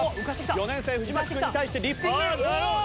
４年生ふじまき君に対してリフティング。